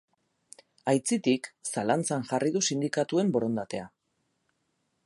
Aitzitik, zalantzan jarri du sindikatuen borondatea.